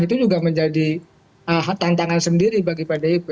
itu juga menjadi tantangan sendiri bagi pdip